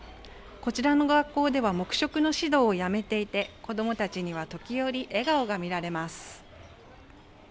こちらの学校では黙食の指導をやめていて子どもたちには時折、笑顔が見られます。